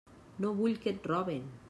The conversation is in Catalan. No vull que et roben.